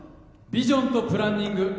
ビジョンとプランニング